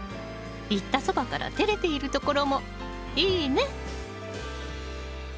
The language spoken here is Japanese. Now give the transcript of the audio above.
言ったそばからてれているところもいいね！